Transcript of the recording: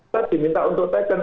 tadi minta untuk tekan